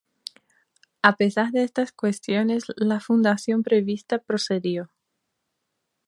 A pesar de estas cuestiones, la fundación prevista procedió.